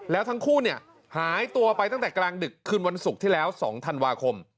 แล้วทั้งคู่เนี่ยหายตัวไปตั้งแต่กลางดึกคืนวันศุกร์ที่แล้ว๒ธันวาคม